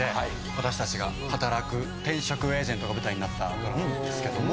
私たちが働く転職エージェントが舞台になったドラマなんですけども。